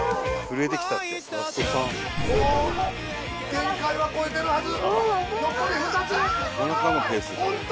限界は超えてるはず。